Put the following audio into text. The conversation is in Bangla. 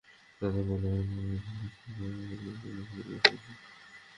তাতে বলা হয়, মামলার তদন্তের স্বার্থে আসামিকে রিমান্ডে নিয়ে জিজ্ঞাসাবাদ করা জরুরি।